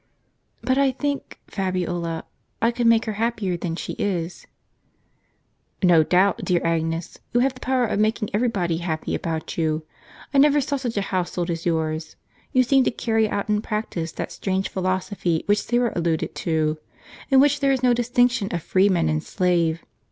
"But I think, Fabiola, I could make her happier than she is." "No doubt, dear Agnes; you have the power of making every body happy about you. I never saw such a household as yours. You seem to carry out in practice that strange philosophy which Syra alluded to, in which there is no distinction of freeman and slave.